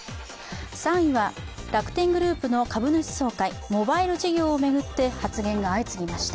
３位は楽天グループの株主総会、モバイル事業を巡って発言が相次ぎました。